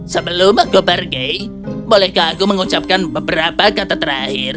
sebelum aku bergeng bolehkah aku mengucapkan beberapa kata terakhir